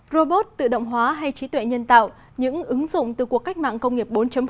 robot tự động hóa hay trí tuệ nhân tạo những ứng dụng từ cuộc cách mạng công nghiệp bốn